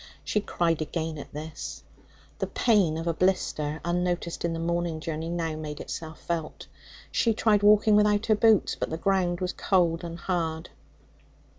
She cried again at this. The pain of a blister, unnoticed in the morning journey, now made itself felt; she tried walking without her boots, but the ground was cold and hard.